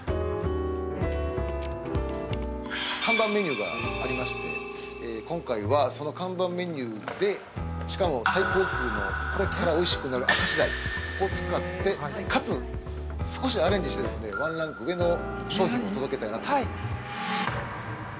◆看板メニューがありまして今回は、その看板メニューでしかも、最高級のこれからおいしくなる明石鯛を使って、かつ少しアレンジして、ワンランク上の商品を届けたいなと思います。